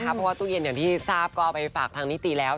เพราะว่าตู้เย็นอย่างที่ทราบก็เอาไปฝากทางนิติแล้ว